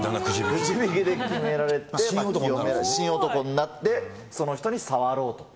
選ばれて、神男になって、その人に触ろうと。